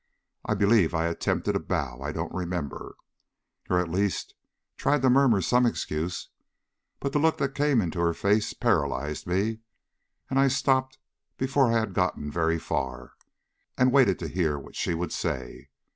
I believe I attempted a bow I don't remember; or, at least, tried to murmur some excuse, but the look that came into her face paralyzed me, and I stopped before I had gotten very far, and waited to hear what she would say.